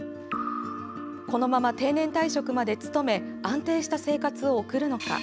このまま定年退職まで勤め安定した生活を送るのか。